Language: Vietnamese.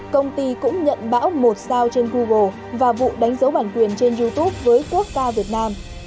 công ty cũng nhận bão một sao trên google và vụ đánh dấu bản quyền trên youtube với quốc ca việt nam